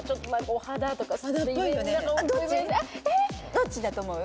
どっちだと思う？